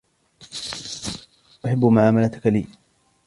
أحب معاملتك لي.